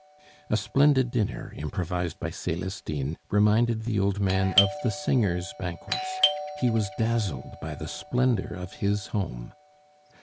A splendid dinner, improvised by Celestine, reminded the old man of the singer's banquets; he was dazzled by the splendor of his home.